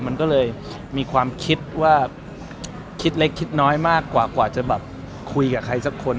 มันก็เลยมีความคิดว่าคิดเล็กคิดน้อยมากกว่ากว่าจะแบบคุยกับใครสักคน